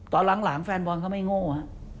ตอนหลังแฟนบอลเขาไม่โง่